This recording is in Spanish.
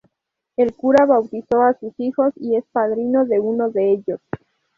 El cura bautizó a sus hijos y es padrino de uno de ellos.